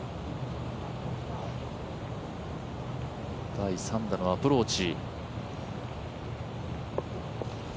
第３打のアプローチ。